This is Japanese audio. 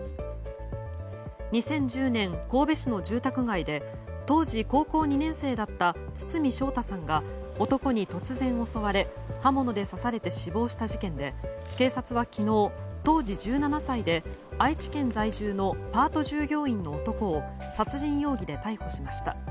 ２０１０年神戸市の住宅街で当時高校２年生だった堤将太さんが男に突然襲われ、刃物で刺されて死亡した事件で警察は昨日当時１７歳で、愛知県在住のパート従業員の男を殺人容疑で逮捕しました。